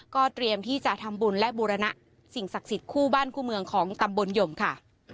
เตรียมที่จะทำบุญและบูรณะสิ่งศักดิ์สิทธิ์คู่บ้านคู่เมืองของตำบลหยมค่ะ